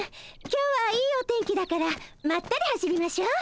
今日はいいお天気だからまったり走りましょう。